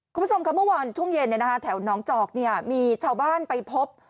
คุณผู้ชมค่ะเมื่อวานช่วงเย็นแถวน้องจอกมีชาวบ้านไปพบ